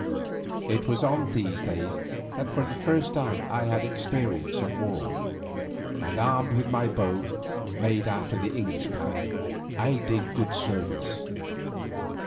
It was on these days that for the first time I had experience of war, and armed with my bow made after the English pattern, I did good service.